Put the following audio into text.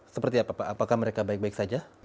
seperti apa pak apakah mereka baik baik saja